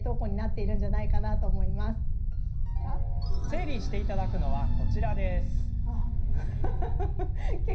整理していただくのは、こちら。